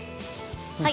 はい。